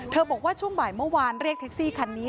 บอกว่าช่วงบ่ายเมื่อวานเรียกแท็กซี่คันนี้